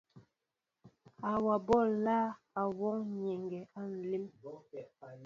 Awaɓó nláá a wɔ nyɛŋgɛ á nlém.